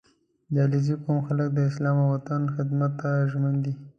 • د علیزي قوم خلک د اسلام او وطن خدمت ته ژمن دي.